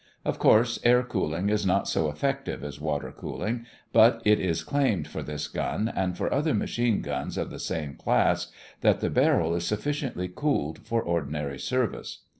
Of course, air cooling is not so effective as water cooling, but it is claimed for this gun, and for other machine guns of the same class, that the barrel is sufficiently cooled for ordinary service.